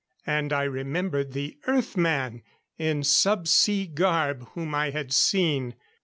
And I remembered the Earth man in sub sea garb whom I had seen.